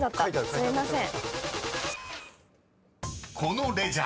すいません。